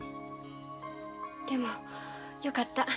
でもよかった。